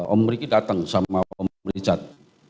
om riki datang sama om richard